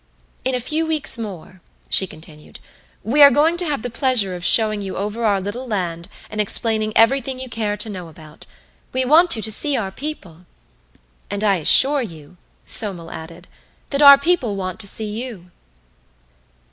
In a few weeks more," she continued, "we are going to have the pleasure of showing you over our little land and explaining everything you care to know about. We want you to see our people." "And I assure you," Somel added, "that our people want to see you."